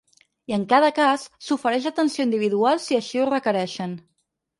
I en cada cas, s’ofereix atenció individual si així ho requereixen.